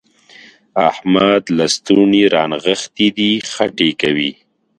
احمد لستوڼي رانغښتي دي؛ خټې کوي.